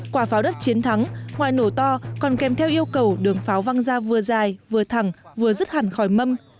quả pháo đất chiến thắng ngoài nổ to còn kèm theo yêu cầu đường pháo văng ra vừa dài vừa thẳng vừa dứt hẳn khỏi mâm